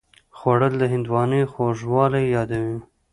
خوړل د هندوانې خوږوالی یادوي